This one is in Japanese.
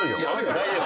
大丈夫。